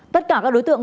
tất cả các đối tượng